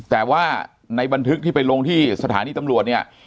แต่ว่าในบันทึกที่ไปลงที่สถานีตำรวจเนี่ย